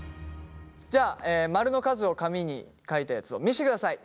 じゃあマルの数を紙に書いたやつを見せてください。